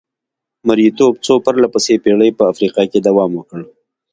مریتوب څو پرله پسې پېړۍ په افریقا کې دوام وکړ.